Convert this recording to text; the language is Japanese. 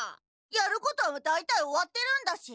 やることは大体終わってるんだし。